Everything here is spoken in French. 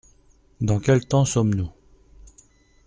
Dans quel temps sommes-nous ?